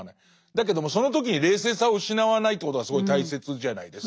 だけどもその時に冷静さを失わないということがすごい大切じゃないですか。